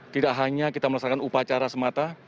tidak hanya kita melaksanakan upacara semata